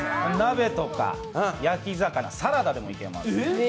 鍋とか、焼き魚、サラダでもいけます